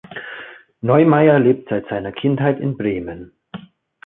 Neumeyer lebt seit seiner Kindheit in Bremen.